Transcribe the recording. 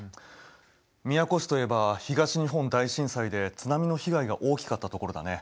宮古市といえば東日本大震災で津波の被害が大きかった所だね。